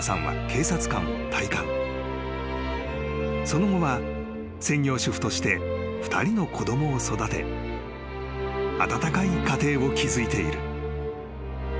［その後は専業主婦として２人の子供を育て温かい家庭を築いている］